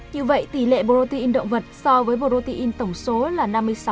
như vậy tỷ lệ protein động vật so với protein tổng số là năm mươi sáu